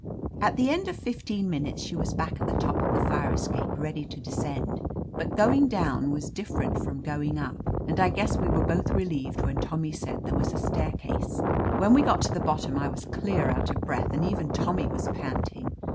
At the end of fifteen minutes she was back at the top of the fire escape, ready to descend. But going down was different from going up, and I guess we were both relieved when Tommy said there was a staircase. When we got to the bottom, I was clear out of breath, and even Tommy was panting.